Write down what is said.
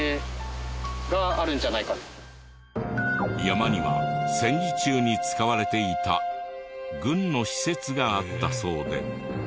山には戦時中に使われていた軍の施設があったそうで。